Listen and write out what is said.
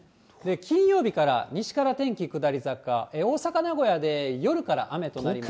金曜日から、西から天気下り坂、大阪、名古屋で夜から雨となります。